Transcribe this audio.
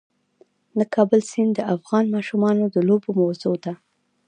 د کابل سیند د افغان ماشومانو د لوبو موضوع ده.